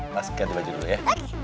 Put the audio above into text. mas ikat baju dulu ya